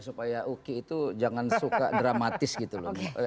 supaya uki itu jangan suka dramatis gitu loh